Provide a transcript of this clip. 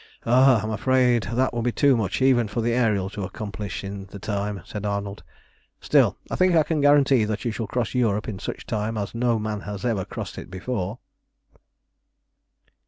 "Ah, I'm afraid that would be too much even for the Ariel to accomplish in the time," said Arnold. "Still, I think I can guarantee that you shall cross Europe in such time as no man ever crossed it before."